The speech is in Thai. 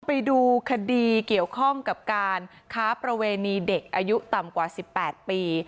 ไปดูคดีเกี่ยวข้องกับการค้าประเวณีเด็กอายุต่ำกว่า๑๘ปี